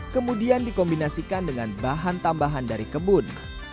kemudian dikombinasikan dengan bahan tambahan dari kebun